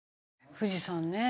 富士山ね